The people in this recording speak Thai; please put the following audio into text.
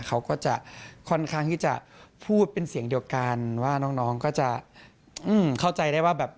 เขาก็จะค่อนข้างที่จะพูดเป็นเสียงเดียวกันว่าน้องก็จะเข้าใจได้ว่าแบบ